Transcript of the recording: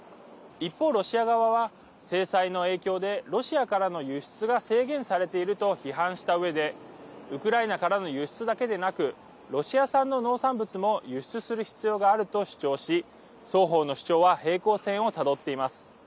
一方、ロシア側は制裁の影響でロシアからの輸出が制限されていると批判したうえでウクライナからの輸出だけでなくロシア産の農産物も輸出する必要があると主張し双方の主張は平行線をたどっています。